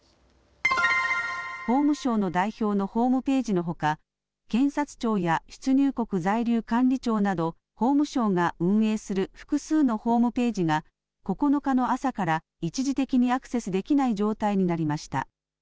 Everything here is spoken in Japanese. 法務省の代表のホームページのほか検察庁や出入国在留管理庁など法務省が運営する複数のホームページが９日の朝から一時的にアクセスできない状態になりました。